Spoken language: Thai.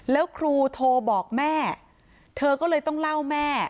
แล้วครูโทรบอกแม่เธอก็เลยต้องเล่าแม่